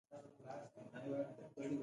د پښتورګو د ناروغیو لوی احتمالي خطر هم دی.